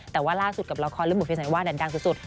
แต่ว่าล่าสุดกับละครและหมู่เพลงสันว่าดันดังสุด